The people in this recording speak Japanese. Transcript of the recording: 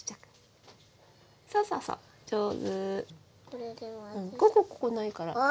ここここないから。